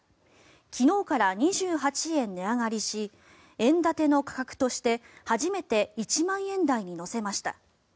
昨日から２８円値上がりし円建ての価格として初めて１万円台に乗せました。